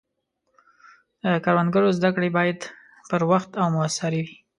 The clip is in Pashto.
د کروندګرو زده کړې باید پر وخت او موثر وي.